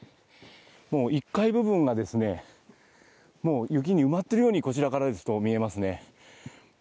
１階部分が雪に埋まっているようにこちらからだと見えますね。